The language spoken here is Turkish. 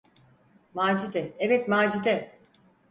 Macide, evet, Macide!